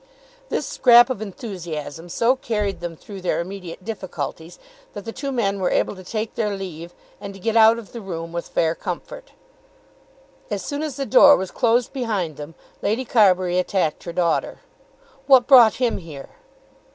This scrap of enthusiasm so carried them through their immediate difficulties that the two men were able to take their leave and to get out of the room with fair comfort. As soon as the door was closed behind them Lady Carbury attacked her daughter. "What brought him here?"